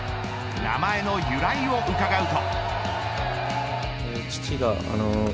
名前の由来を伺うと。